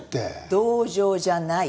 同情じゃない。